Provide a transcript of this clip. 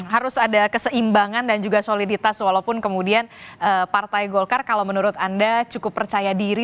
harus ada keseimbangan dan juga soliditas walaupun kemudian partai golkar kalau menurut anda cukup percaya diri